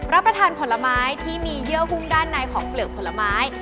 รับประทานผลไม้ที่มีเยื่อหุ้มด้านในของเปลือกผลไม้